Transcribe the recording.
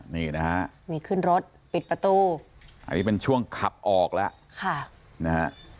นี่นะฮะนี่ขึ้นรถปิดประตูอันนี้เป็นช่วงขับออกแล้วค่ะนะฮะ